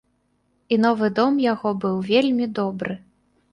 І новы дом яго быў вельмі добры.